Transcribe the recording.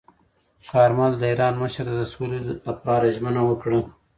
کارمل د ایران مشر ته د سولې لپاره ژمنه وکړه.